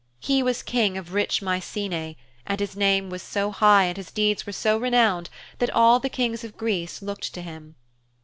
He was King of rich Mycenæ, and his name was so high and his deeds were so renowned that all the Kings of Greece looked to him.